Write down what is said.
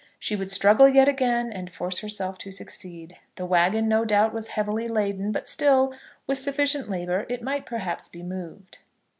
She would struggle yet again, and force herself to succeed. The wagon, no doubt, was heavily laden, but still, with sufficient labour, it might perhaps be moved.